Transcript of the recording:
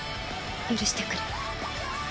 許してくれ。